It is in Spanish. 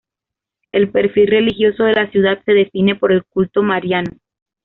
El perfil religioso de la ciudad se define por el culto mariano.